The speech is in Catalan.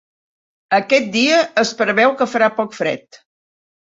Aquest dia es preveu que farà poc fred.